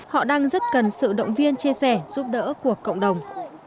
họ đang rất cần sự động viên chia sẻ giúp đỡ của cộng đồng